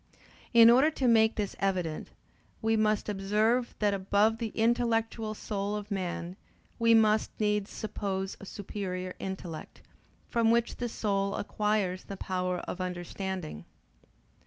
In order to make this evident, we must observe that above the intellectual soul of man we must needs suppose a superior intellect, from which the soul acquires the power of understanding.